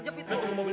ya udah kita bisa